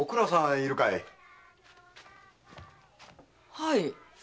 はい。